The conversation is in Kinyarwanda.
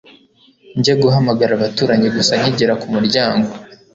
njye guhamagara abaturanyi gusa nkigera kumuryango